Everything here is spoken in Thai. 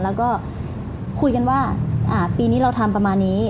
แล้วก็คุยกันว่าปีนี้เราทำประมาณนี้